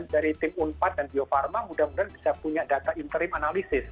dari tim unpad dan bio farma mudah mudahan bisa punya data interim analisis